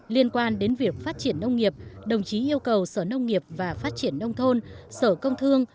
liên quan đến việc phát triển nông nghiệp đồng chí yêu cầu sở nông nghiệp và phát triển nông thôn sở công thương